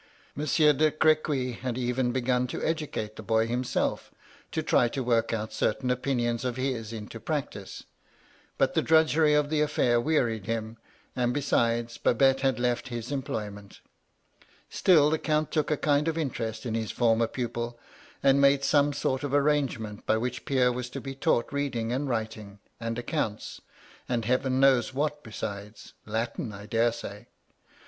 Monsieur de Cr&iuy had even begun to educate the boy himself to try to work out certain opinions of his into practice, — but the drudgery of the aflfair wearied him, and, besidej Babette had left his employment Still the Count took a kind of interest in his former pupil ; and made some sort of arrangement by which Pierre was to be taught reading and writing, and accounts, and Heaven knows what besides, — ^Latm, I dare say.